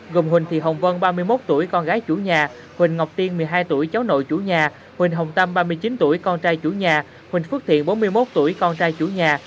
gồm huỳnh thị hồng vân ba mươi một tuổi con gái chủ nhà huỳnh ngọc tiên một mươi hai tuổi cháu nội chủ nhà huỳnh hồng tâm ba mươi chín tuổi con trai chủ nhà huỳnh phước thiện bốn mươi một tuổi con trai chủ nhà